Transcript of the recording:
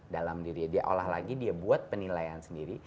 dalam dirinya dia olah lagi dia buat penilaian sendiri